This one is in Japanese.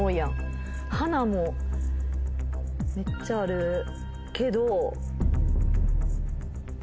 花もめっちゃあるけど。